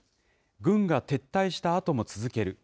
軍が撤退したあとも続ける。